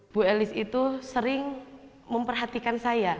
bu elis itu sering memperhatikan saya